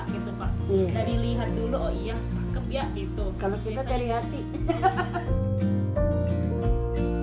gitu pak dari lihat dulu oh iya kebiak gitu kalau kita teriak sih